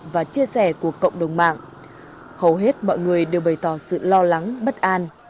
và chia sẻ của cộng đồng mạng hầu hết mọi người đều bày tỏ sự lo lắng bất an